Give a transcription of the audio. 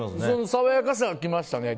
爽やかさがきましたね。